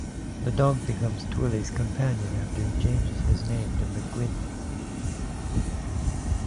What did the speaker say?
The dog becomes Twilly's companion, after he changes his name to McGuinn.